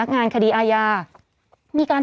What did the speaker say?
ผู้ต้องหาที่ขับขี่รถจากอายานยนต์บิ๊กไบท์